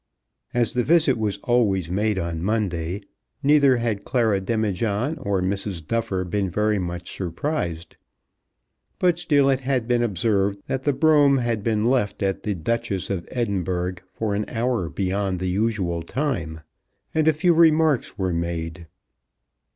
As the visit was always made on Monday, neither had Clara Demijohn or Mrs. Duffer been very much surprised; but still it had been observed that the brougham had been left at the "Duchess of Edinburgh" for an hour beyond the usual time, and a few remarks were made.